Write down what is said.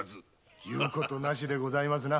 言うことなしでございますな。